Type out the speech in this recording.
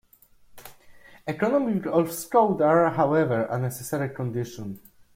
Economies of scope are, however, a necessary condition.